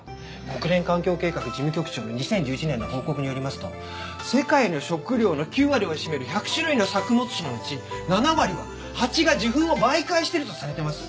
国連環境計画事務局長の２０１１年の報告によりますと世界の食料の９割を占める１００種類の作物種のうち７割は蜂が受粉を媒介してるとされてます。